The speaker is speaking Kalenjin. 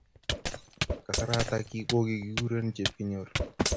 Kasaratak ko kigikuren Chepkinyor.